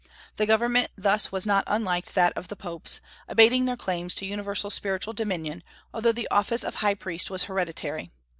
The government thus was not unlike that of the popes, abating their claims to universal spiritual dominion, although the office of high priest was hereditary.